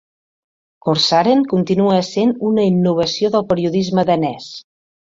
"Corsaren" continua essent una innovació del periodisme danès.